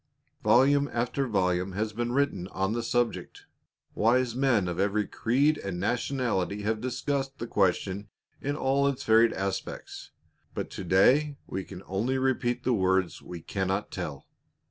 Volume after volume has been written on the subject ; wise men of every creed and national ity have discussed the question in all its varied aspects, but to day we can only repeat the words. We cannot tell.